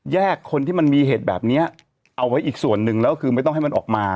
คนที่มันมีเหตุแบบนี้เอาไว้อีกส่วนหนึ่งแล้วคือไม่ต้องให้มันออกมา